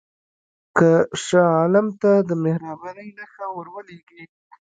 که شاه عالم ته د مهربانۍ نښه ورولېږې.